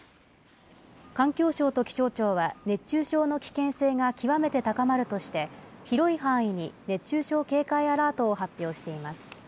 環境省と気象庁は、熱中症の危険性が極めて高まるとして、広い範囲に熱中症警戒アラートを発表しています。